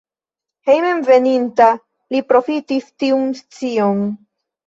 Hejmenveninta li profitis tiun scion.